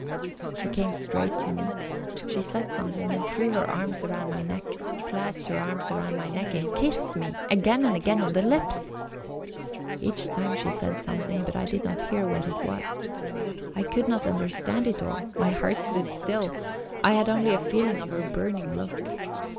She came straight to me. She said something, and threw her arms round my neck; clasped her arms round my neck and kissed me again and again on the lips. Each time she said something, but I did not hear what it was. I could not understand it all; my heart stood still; I had only a feeling of her burning look.